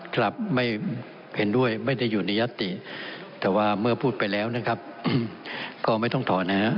ครับไม่เห็นด้วยไม่ได้อยู่ในยัตติแต่ว่าเมื่อพูดไปแล้วนะครับก็ไม่ต้องถอนนะฮะ